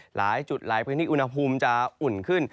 หลายจุดหลายพื้นที่อุณหภูมิจะอุ่นขึ้น